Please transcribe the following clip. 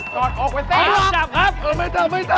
ก็กลอออกไปเต้น